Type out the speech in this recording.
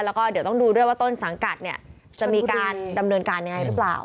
แล้วก็เดี๋ยวต้องดูด้วยว่าต้นสังกัดเนี่ยจะมีการดำเนินการยังไงหรือเปล่า